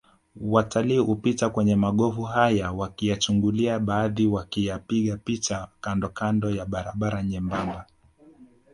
Watalii hupita kwenye magofu haya wakiyachungulia baadhi wakiyapiga picha kandokando ya barabara nyembamba